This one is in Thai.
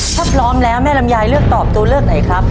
ถ้าพร้อมแล้วแม่ลำไยเลือกตอบตัวเลือกไหนครับ